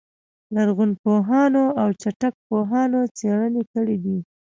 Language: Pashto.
لرغونپوهانو او جنټیک پوهانو څېړنې کړې دي.